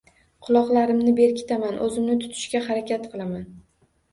Quloqlarimni berkitaman, o`zimni tutishga harakat qilaman